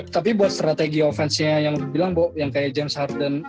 tapi buat strategi offense nya yang bilang yang kayak james harden